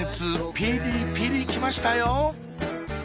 ピリピリきましたよ